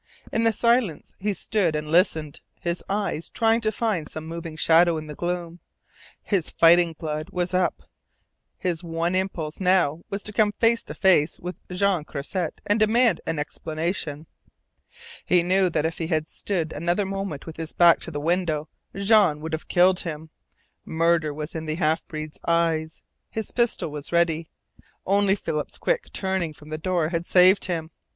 In the silence he stood and listened, his eyes trying to find some moving shadow in the gloom. His fighting blood was up. His one impulse now was to come face to face with Jean Croisset and demand an explanation. He knew that if he had stood another moment with his back to the window Jean would have killed him. Murder was in the half breed's eyes. His pistol was ready. Only Philip's quick turning from the door had saved him.